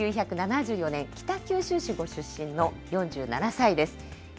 １９７４年、北九州市ご出身の４７歳です。